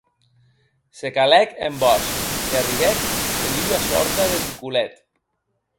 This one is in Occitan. Se calèc en bòsc, e arribèc en ua sòrta de ticolet.